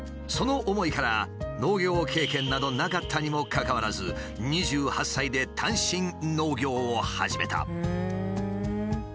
その思いから農業経験などなかったにもかかわらず２８歳で単身農業を始めた。